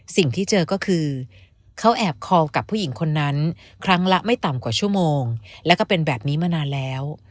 สิ่งที่เจอก็คือเขาแอบคอลกับผู้หญิงคนนั้นครั้งละไม่ต่ำกว่าชั่วโมงแล้วก็เป็นแบบนี้มานานแล้ว